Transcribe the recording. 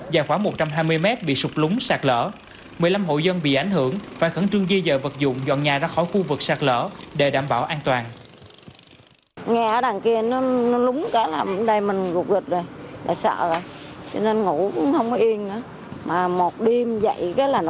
dài khoảng một trăm hai mươi mét bị sụt lúng sạt lỡ một mươi năm hộ dân bị ảnh hưởng phải khẩn trương di dời vật dụng dọn nhà ra khỏi khu vực sạt lở để đảm bảo an toàn